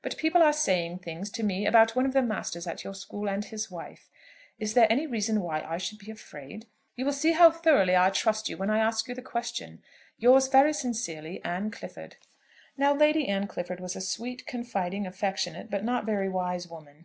But people are saying things to me about one of the masters at your school and his wife. Is there any reason why I should be afraid? You will see how thoroughly I trust you when I ask you the question. Yours very sincerely, "ANNE CLIFFORD." Now Lady Anne Clifford was a sweet, confiding, affectionate, but not very wise woman.